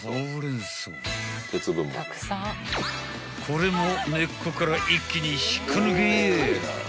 ［これも根っこから一気に引っこ抜け］